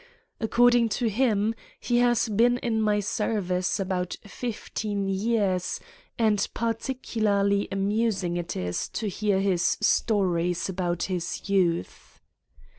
According to him, he has been in my service about fifteen years and particularly amus ing it is to hear his stories of his youth.